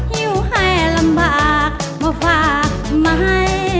อยู่ให้ลำบากมาฝากทำไม